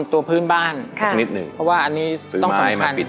ตัวพื้นบ้านค่ะนิดหนึ่งเพราะว่าอันนี้สื่อไม้มาเปลี่ยน